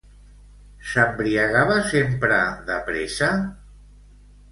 S'embriagava sempre de pressa?